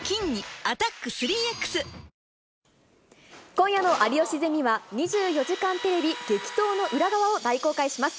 今夜の有吉ゼミは、２４時間テレビ激闘の裏側を大公開します。